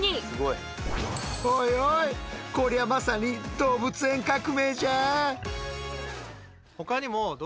おいおいこりゃまさに動物園革命じゃあ！